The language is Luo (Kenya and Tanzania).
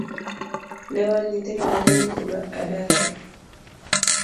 Ne wan nyithindo mang'eny kumane adake.